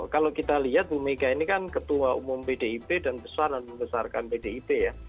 kalau kita lihat bumega ini kan ketua umum bdip dan membesarkan bdip ya